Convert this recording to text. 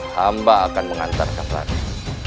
hamba akan mengantarkan raden